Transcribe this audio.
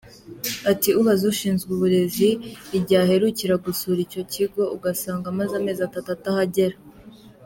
Ati” ubaza ushinzwe uburezi igihe aherukira gusura icyo kigo ugasanga amaze amezi atatu atahagera.